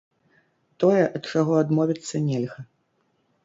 Тое, ад чаго адмовіцца нельга.